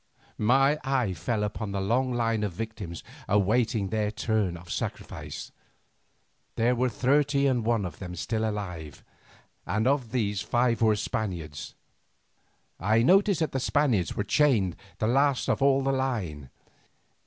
My eye fell upon the long line of victims awaiting their turn of sacrifice. There were thirty and one of them still alive, and of these five were Spaniards. I noted that the Spaniards were chained the last of all the line.